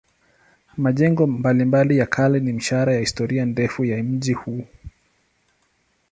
Majengo mbalimbali ya kale ni ishara ya historia ndefu ya mji huu.